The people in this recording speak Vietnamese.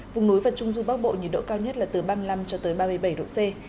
vùng núi và trung dung bắc bộ nhiệt độ cao nhất là từ ba mươi năm ba mươi bảy độ c